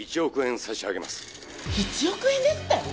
１億円ですって！？